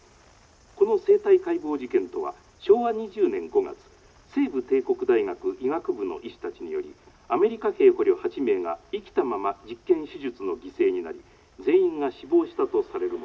この生体解剖事件とは昭和２０年５月西部帝国大学医学部の医師たちによりアメリカ兵捕虜８名が生きたまま実験手術の犠牲になり全員が死亡したとされるものです。